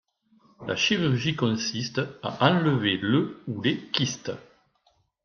La chirurgie consiste à enlever le ou les kystes.